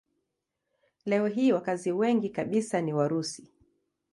Leo hii wakazi wengi kabisa ni Warusi.